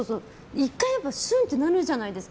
１回言えばすんってなるじゃないですか。